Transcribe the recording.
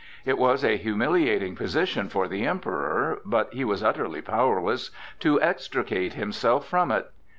It was a humiliating position for the Emperor, but he was utterly powerless to extricate himself from it.